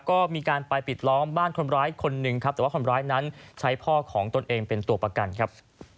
ก็มีการไปปิดล้อมบ้านคนร้ายคนหนึ่งครับแต่ว่าคนร้ายนั้นใช้พ่อของตนเองเป็นตัวประกันครับ